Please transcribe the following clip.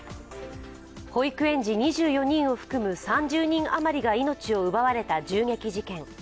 保育園児２４人を含む３０人あまりが命を奪われた銃撃事件。